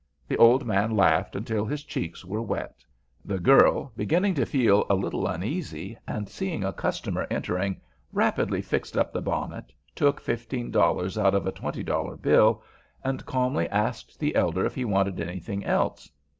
The old man laughed until his cheeks were wet. The girl, beginning to feel a little uneasy, and seeing a customer entering, rapidly fixed up the bonnet, took fifteen dollars out of a twenty dollar bill, and calmly asked the elder if he wanted anything else.